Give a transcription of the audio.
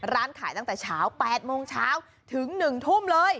ร้านขายตั้งแต่เช้า๘โมงเช้าถึง๑ทุ่มเลย